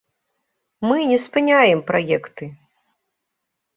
Мы не спыняем праекты.